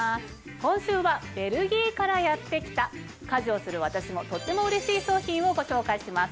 今週はベルギーからやって来た家事をする私もとってもうれしい商品をご紹介します。